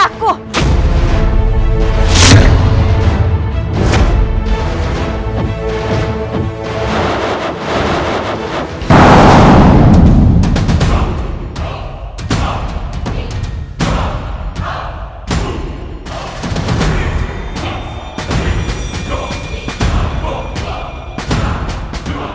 aku itu perempuan intian pasangan